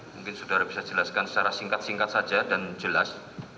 mungkin saudara bisa jelaskan secara singkat singkat saja dan jelas